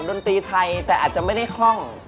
ดนตรีไทยแต่อาจจะไม่ได้คล่อง